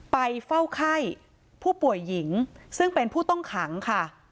ไปเฝ้าไข้ผู้ป่วยหญิงซึ่งเป็นผู้ต้องขังค่ะ